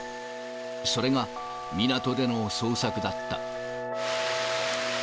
それが港での捜索だった。